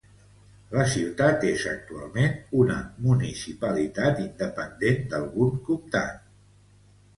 La ciutat és actualment una municipalitat independent d'algun comtat.